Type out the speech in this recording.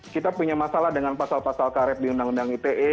kita punya masalah dengan pasal pasal karet di undang undang ite